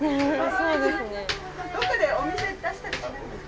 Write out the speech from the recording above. そうですね。